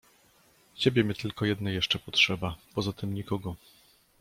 Ciebie mi tylko jednej jeszcze potrzeba, poza tym nikogo!